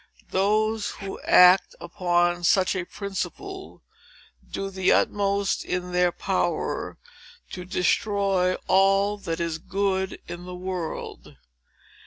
Those who act upon such a principle, do the utmost in their power to destroy all that is good in the world."